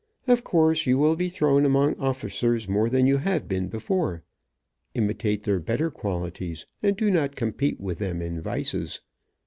Of course, you will be thrown among officers more than you have before. Imitate their better qualities, and do not compete with them in vices.